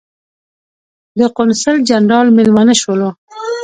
د قونسل جنرال مېلمانه شولو.